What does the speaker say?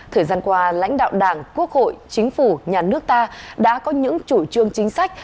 thời gian qua lãnh đạo đảng quốc hội chính phủ nhà nước ta đã có những chủ trương chính sách